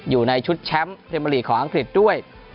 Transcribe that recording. อยู่ในชุดแชมป์เพมระลีของอังกฤษด้วย